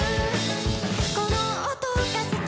「この音が好き」